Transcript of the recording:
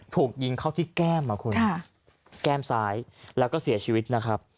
ถูกยิงเข้าที่แก้มอ่ะคุณแก้มซ้ายแล้วก็เสียชีวิตนะครับ